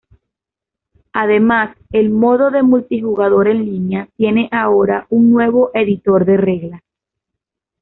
Además, el modo de multijugador en línea tiene ahora un nuevo editor de reglas.